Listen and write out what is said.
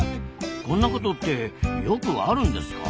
こんなことってよくあるんですか？